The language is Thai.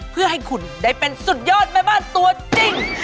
เพื่อให้คุณได้เป็นสุดยอดแม่บ้านตัวจริง